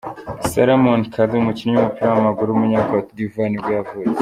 Salomon Kalou, umukinnyi w’umupira w’amaguru w’umunya cote d’ivoire nibwo yavutse.